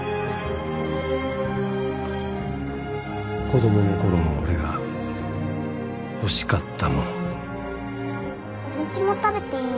子供のころの俺が欲しかったものお餅も食べていい？